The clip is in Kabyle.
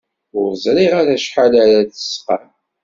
Ur ẓriɣ ara acḥal ara d-tesqam.